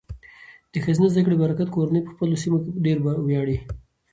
د ښځینه زده کړې په برکت، کورنۍ په خپلو سیمو ډیر ویاړي.